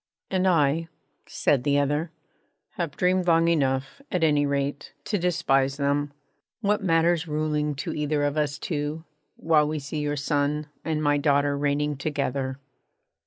'And I,' said the other, 'have dreamed long enough, at any rate, to despise them. What matters ruling to either of us two, while we see your son and my daughter reigning together?'